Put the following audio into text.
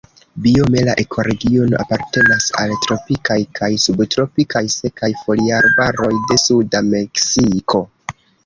Biome la ekoregiono apartenas al tropikaj kaj subtropikaj sekaj foliarbaroj de suda Meksiko.